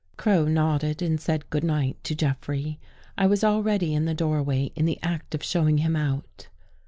Crow nodded and said good night to Jeffrey. I was already in the doorway, in the act of showing him out.